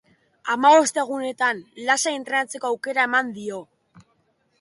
Hamabost egunetan lasai entrenatzeko aukera eman dio.